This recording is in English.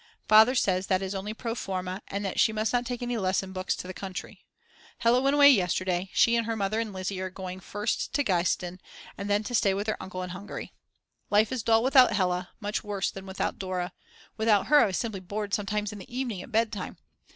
Father says that is only pro forma and that she must not take any lesson books to the country. Hella went away yesterday, she and her Mother and Lizzi are going first to Gastein and then to stay with their uncle in Hungary. Life is dull without Hella, much worse than without Dora; without her I was simply bored sometimes in the evening, at bedtime.